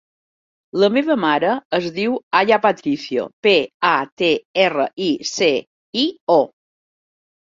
La meva mare es diu Aya Patricio: pe, a, te, erra, i, ce, i, o.